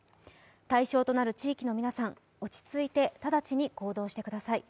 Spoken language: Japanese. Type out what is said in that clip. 対象となる地域の皆さん落ち着いて行動してください。